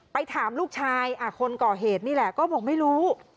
ไปถามลูกชายคนก่อเหตุนี่แหละก็บอกไม่รู้